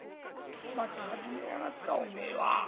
「また始めやがったおめえは。